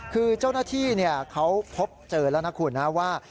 คือเจ้าหน้าที่เขาพบเจอแล้วนะคุณนะว่า